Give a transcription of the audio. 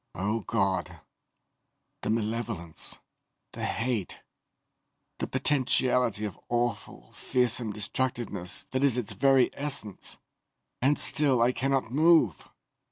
Oh God, the malevolence, the hate the potentiality of awful, fearsome destructiveness that is its very essence! And still I cannot move!"